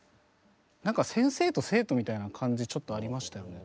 なんか先生と生徒みたいな感じちょっとありましたよね。